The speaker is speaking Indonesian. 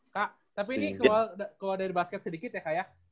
kak tapi ini keluar dari basket sedikit ya kak ya